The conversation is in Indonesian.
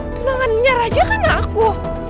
tunangannya raja kan aku